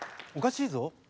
おかしいぞ。